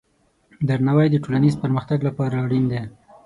درناوی د ټولنیز پرمختګ لپاره اړین دی.